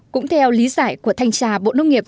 cũng theo lý giải của thanh tra bộ nông nghiệp